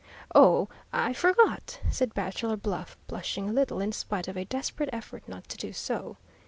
"Oh, I forgot," said Bachelor Bluff, blushing a little, in spite of a desperate effort not to do so.